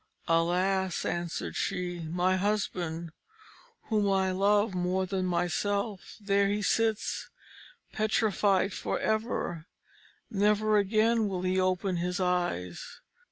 "Alas!" answered she, "my husband, whom I love more than myself, there he sits, petrified for ever; never again will he open his eyes!